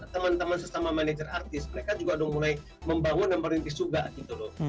teman teman sesama manager artis mereka juga udah mulai membangun dan merintis juga gitu loh